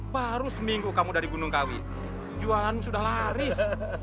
baru seminggu kamu dari gunung kawi jualanmu sudah laris